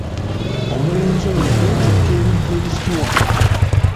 Omulenzi oyo yeetikka ebintu ebizitowa.